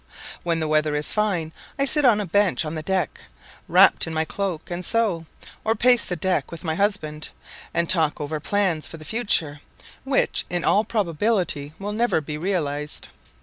When the weather is fine I sit on a bench on the deck, wrapped in my cloak, and sew, or pace the deck with my husband, and talk over plans for the future, which in all probability will never be realized.